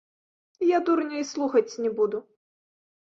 Я дурня і слухаць не буду.